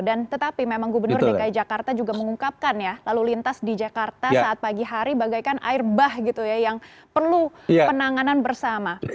dan tetapi memang gubernur dki jakarta juga mengungkapkan ya lalu lintas di jakarta saat pagi hari bagaikan air bah gitu ya yang perlu penanganan bersama